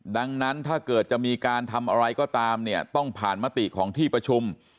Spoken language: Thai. ดังนั้นถ้าเกิดจะมีการทำอะไรก็ตามเนี่ยต้องผ่านมติของที่ประชุม